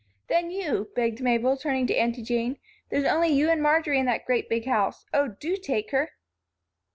"Then you," begged Mabel, turning to Aunty Jane. "There's only you and Marjory in that great big house. Oh, do take her."